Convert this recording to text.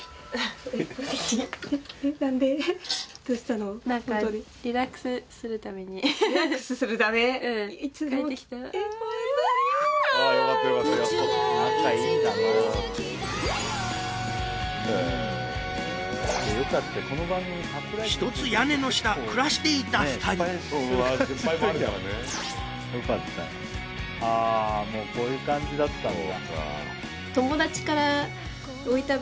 ああもうこういう感じだったんだ。